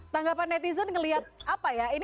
dan karena kita udah ga duhel white